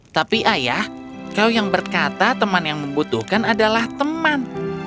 tapi ayah kau yang berkata teman yang membutuhkan adalah teman